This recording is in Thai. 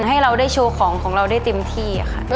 ให้เราได้โชว์ของของเราได้เต็มที่ค่ะ